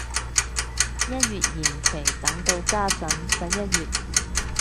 一月延期等到家陣十一月